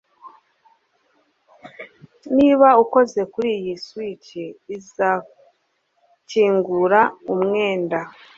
niba ukoze kuri iyi switch, izakingura umwenda